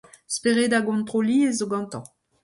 Spered a gontroliezh zo gantañ.